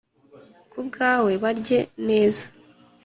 kubwawe barye neza.